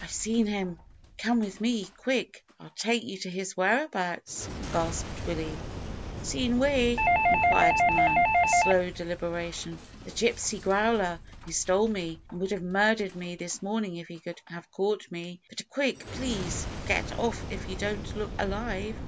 "I've seen him; come with me quick! I'll take you to his whereabouts," gasped Willie. "Seen whae?" inquired the man, with slow deliberation. "The gypsy, Growler, who stole me, and would have murdered me this morning if he could have caught me; but quick, please! He'll get off if you don't look alive!"